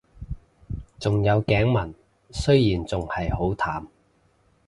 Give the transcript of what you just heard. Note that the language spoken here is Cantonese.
仲有頸紋，雖然仲係好淡